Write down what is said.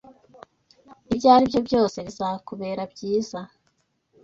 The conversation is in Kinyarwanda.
Ibyo ari byo byose, bizakubera byiza